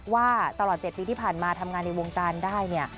ว่าตลอด๗ปีที่ผ่านมาทำงานในวงการได้เนี่ย